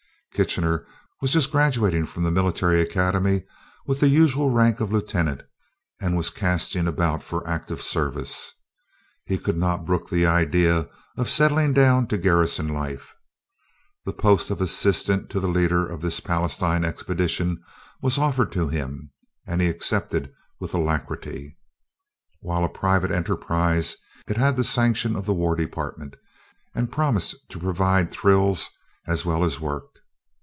Kitchener was just graduating from the Military Academy, with the usual rank of lieutenant, and was casting about for active service. He could not brook the idea of settling down to garrison life. The post of assistant to the leader of this Palestine Expedition was offered him, and he accepted with alacrity. While a private enterprise, it had the sanction of the War Department, and promised to provide thrills as well as work.